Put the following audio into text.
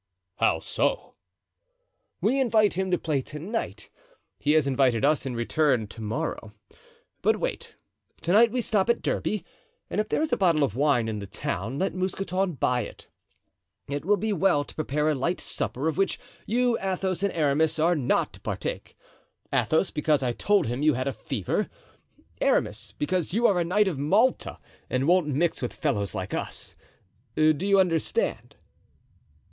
"How so?" "We invite him to play to night; he has invited us in return to morrow. But wait. To night we stop at Derby; and if there is a bottle of wine in the town let Mousqueton buy it. It will be well to prepare a light supper, of which you, Athos and Aramis, are not to partake—Athos, because I told him you had a fever; Aramis, because you are a knight of Malta and won't mix with fellows like us. Do you understand?"